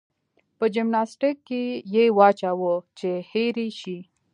په جمناستيک کې يې واچوه چې هېر يې شي.